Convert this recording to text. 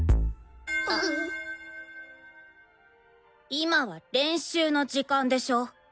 今は練習の時間でしょ？